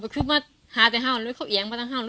หรือบอกอะไรจะเกิดก็ก็ต้องเกิด